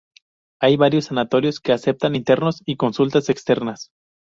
Hay varios sanatorios que aceptan internos y consultas externas.